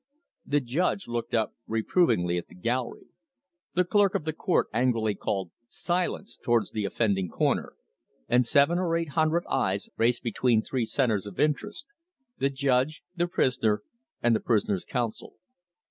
The judge looked up reprovingly at the gallery; the clerk of the court angrily called "Silence!" towards the offending corner, and seven or eight hundred eyes raced between three centres of interest the judge, the prisoner, and the prisoner's counsel.